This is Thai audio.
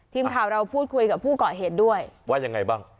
ทีมข่าวเราพูดคุยกับผู้ก่อเหตุด้วยว่ายังไงบ้าง